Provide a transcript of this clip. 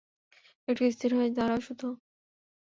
একটু স্থির হয়ে দাঁড়াও শুধু!